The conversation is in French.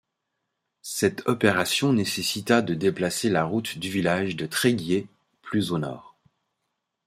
Cette opération nécessita de déplacer la route du village de Tréguier plus au nord.